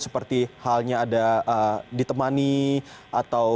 seperti halnya ada ditemani atau